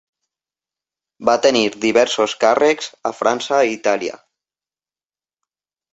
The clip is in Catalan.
Va tenir diversos càrrecs a França i Itàlia.